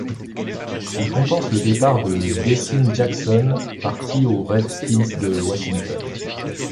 Il compense le départ de DeSean Jackson parti aux Redskins de Washington.